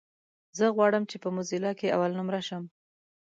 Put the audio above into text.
زه غواړم چې په موزيلا کې اولنومره شم.